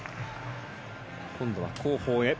今度は後方へ。